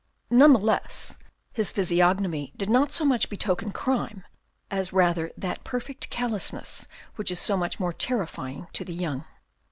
None the less, his physiognomy did not so much betoken crime as rather that perfect callousness which is so much more terrifying to the young.